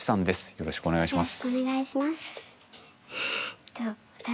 よろしくお願いします。